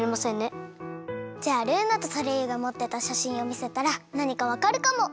じゃあルーナとソレイユがもってたしゃしんをみせたらなにかわかるかも！